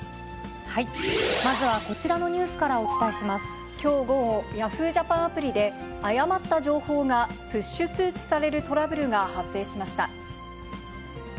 まずはこちらのニュースからきょう午後、ヤフージャパンアプリで誤った情報がプッシュ通知されるトラブルが発生しました。